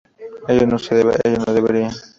ellos no beberían